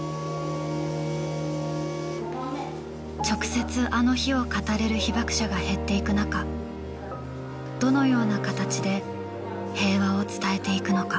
直接あの日を語れる被爆者が減っていくなかどのような形で平和を伝えていくのか。